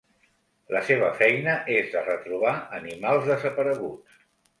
La seva feina és de retrobar animals desapareguts.